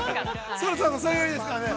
◆そもそもそれが売りですからね。